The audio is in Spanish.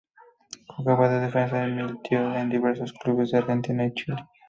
Jugaba de defensa y militó en diversos clubes de Argentina y Chile.